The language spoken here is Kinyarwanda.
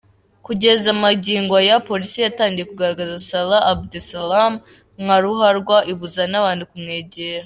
Kugeza magingo aya polisi yatangiye kugaragaza Salah Abdeslam nka ruharwa ibuza n’abantu kumwegera.